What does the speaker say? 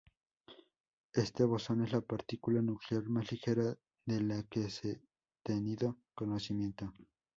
Este bosón es la partícula nuclear más ligera de la que se tenido conocimiento.